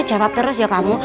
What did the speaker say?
ngejawab terus ya kamu